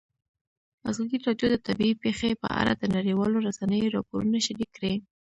ازادي راډیو د طبیعي پېښې په اړه د نړیوالو رسنیو راپورونه شریک کړي.